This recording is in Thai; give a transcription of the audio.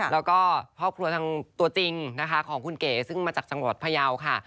แล้วก็ครอบครัวทางตัวจริงนะคะของคุณเก๋ซึ่งมาจากจังหวัดพยาวค่ะ